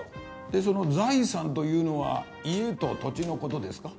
でその財産というのは家と土地の事ですか？